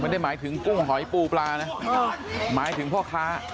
ไม่ได้หมายถึงกุ้งหอยปูปลานะหมายถึงพ่อค้า